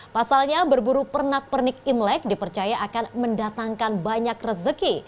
pasalnya berburu pernak pernik imlek dipercaya akan mendatangkan banyak rezeki